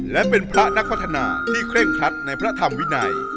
และเป็นพระนักพัฒนาที่เคร่งครัดในพระธรรมวินัย